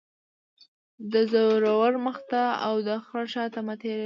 - د زورور مخ ته او دخره شاته مه تیریږه.